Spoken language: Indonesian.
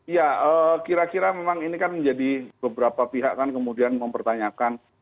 ya kira kira memang ini kan menjadi beberapa pihak kan kemudian mempertanyakan